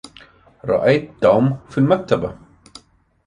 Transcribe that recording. رأيت توم في المكتبة